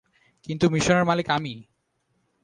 কিন্তু মিশনের মালিক আমি!